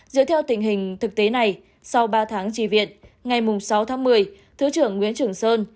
dựa theo tình hình thực tế này sau ba tháng trì viện ngày sáu tháng một mươi thứ trưởng nguyễn trường sơn